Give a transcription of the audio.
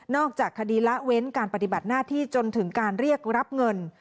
จากคดีละเว้นการปฏิบัติหน้าที่จนถึงการเรียกรับเงิน